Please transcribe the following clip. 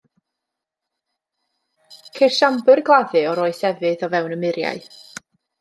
Ceir siambr gladdu o'r Oes Efydd o fewn y muriau.